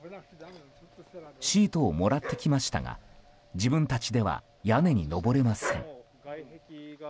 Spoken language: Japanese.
シートをもらってきましたが自分たちでは屋根に上れません。